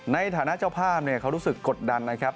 ในฐานะเจ้าภาพเขารู้สึกกดดันนะครับ